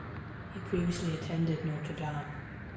He previously attended Notre Dame.